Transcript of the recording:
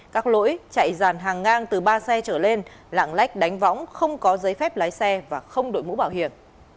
các lỗi chạy dàn hàng ngang từ ba xe trở lên lạng lách đánh võng không có giấy phép lái xe và không đội mũ bảo hiểm